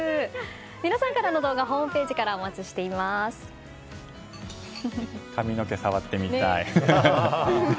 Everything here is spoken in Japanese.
皆さんからの動画ホームページから髪の毛、触ってみたい。